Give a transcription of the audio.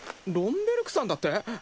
ロン・ベルクさんだって？